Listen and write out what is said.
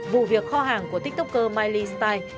vụ việc kho hàng của tiktoker miley style